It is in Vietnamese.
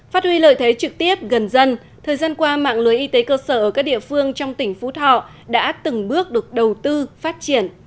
phát huy lợi thế trực tiếp gần dân thời gian qua mạng lưới y tế cơ sở ở các địa phương trong tỉnh phú thọ đã từng bước được đầu tư phát triển